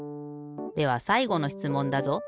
ではさいごのしつもんだぞ。